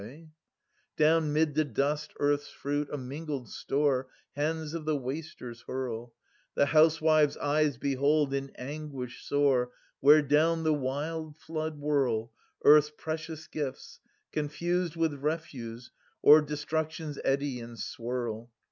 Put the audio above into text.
{AnU 3) Down mid the dust earth's fruit, a mingled store» Hands of the wasters hurl : The housewife's eyes behold, iu anguish sore, Where down the wild flood whirl 360 Garth's precious gilts, confused with refuse, o'er Destruction's eddy and swirl.